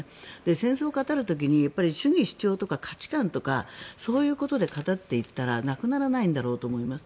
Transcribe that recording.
戦争を語る時に主義主張とか価値観とかそういうことで語っていったらなくならないんだろうと思います。